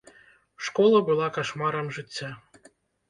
Школа была кашмарам жыцця.